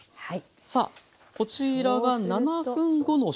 はい。